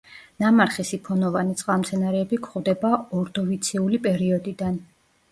ნამარხი სიფონოვანი წყალმცენარეები გვხვდება ორდოვიციული პერიოდიდან.